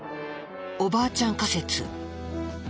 「おばあちゃん仮説」。